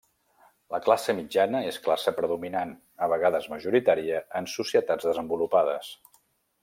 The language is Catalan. La classe mitjana és classe predominant -a vegades majoritària- en societats desenvolupades.